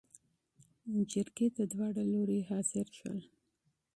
جرګې ته داوړه لورې حاضر شول.